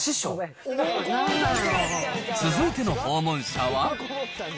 続いての訪問者は。